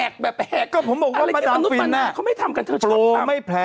ก็ผมบอกว่าประดับฟินน่ะโปร่าไม่แพงอะไรที่มนุษย์ประดับเขาไม่ทำกันเธอชอบทำ